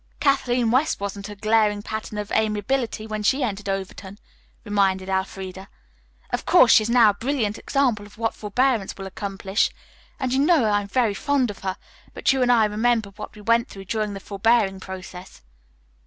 Kathleen West wasn't a glaring pattern of amiability when she entered Overton," reminded Elfreda. "Of course she's now a brilliant example of what forbearance will accomplish, and you know that I am very fond of her, but you and I remember what we went through during the forbearing process."